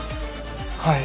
はい。